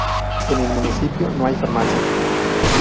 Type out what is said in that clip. En el municipio no hay farmacia.